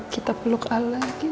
kita peluk al lagi